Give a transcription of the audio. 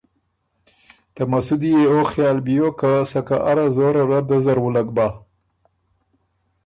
ته مسُودی يې او خیال بیوک که سکه اره زوره ره دۀ زر وُلّک بۀ۔